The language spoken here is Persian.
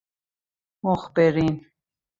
مخبرین